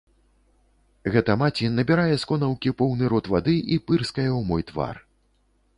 Гэта маці набірае з конаўкі поўны рот вады і пырскае ў мой твар.